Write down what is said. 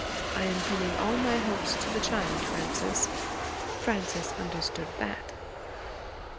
I am pinning all my hopes to the child, Frances.' Frances understood that.